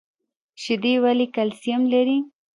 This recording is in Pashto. شیدې ولې کلسیم لري؟